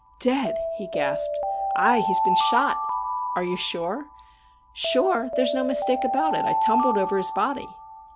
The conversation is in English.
' Dead !' he gasped. ' Ay, he's been shot.' ' Are you sure ?'' Sure ! There's no mistake about it. I tumbled over his body.'